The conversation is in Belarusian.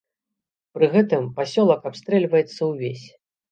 Пры гэтым пасёлак абстрэльваецца ўвесь.